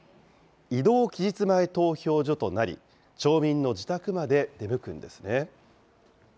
移動期日前投票所となり、町民の自宅まで出向くんですね。